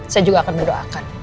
saya juga akan mendoakan